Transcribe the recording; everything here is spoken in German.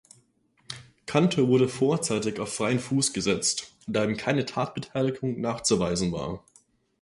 Kantor wurde vorzeitig auf freien Fuß gesetzt, da ihm keine Tatbeteiligung nachzuweisen war.